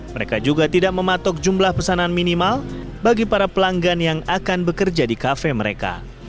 mereka juga tidak mematok jumlah pesanan minimal bagi para pelanggan yang akan bekerja di kafe mereka